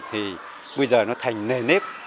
thì bây giờ nó thành nề nếp